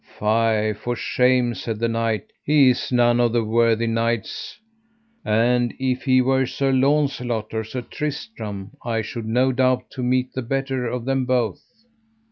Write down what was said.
Fie, for shame, said the knight, he is none of the worthy knights, and if he were Sir Launcelot or Sir Tristram I should not doubt to meet the better of them both.